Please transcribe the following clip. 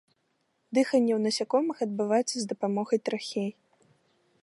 Дыханне ў насякомых адбываецца з дапамогай трахей.